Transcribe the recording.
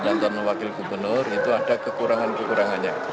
calon gubernur dan calon wakil gubernur itu ada kekurangan kekurangannya